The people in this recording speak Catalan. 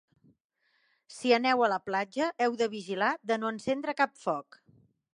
Si aneu a la platja, heu de vigilar de no encendre cap foc.